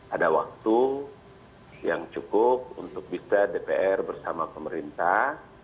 ada waktu yang cukup untuk bisa dpr bersama pemerintah